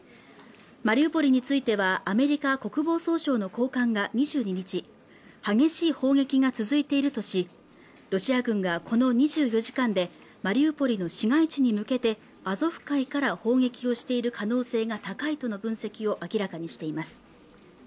マリウポリについてはアメリカ国防総省の高官が２２日激しい砲撃が続いているとしロシア軍がこの２４時間でマリウポリの市街地に向けてアゾフ海から砲撃をしている可能性が高いとの分析を明らかにしています